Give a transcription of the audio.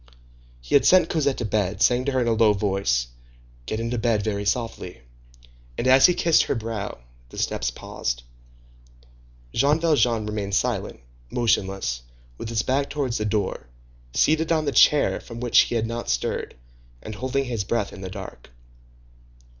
He had sent Cosette to bed, saying to her in a low voice, "Get into bed very softly"; and as he kissed her brow, the steps paused. Jean Valjean remained silent, motionless, with his back towards the door, seated on the chair from which he had not stirred, and holding his breath in the dark.